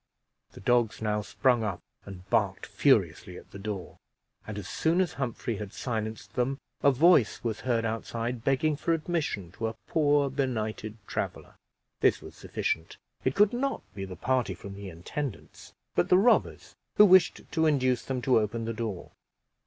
The dogs now sprung up and barked furiously at the door, and as soon as Humphrey had silenced them, a voice was heard outside, begging for admission to a poor benighted traveler. This was sufficient; it could not be the party from the intendant's, but the robbers who wished to induce them to open the door.